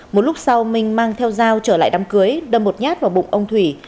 một lúc sau minh mang theo dao trở lại đám cưới đâm một nhát vào bụng ông thủy